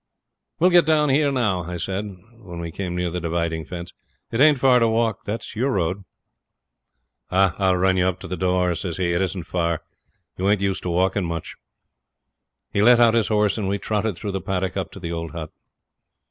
'We'll get down here now,' I said, when we came near the dividing fence; 'it ain't far to walk. That's your road.' 'I'll run you up to the door,' says he, 'it isn't far; you ain't used to walking much.' He let out his horse and we trotted through the paddock up to the old hut.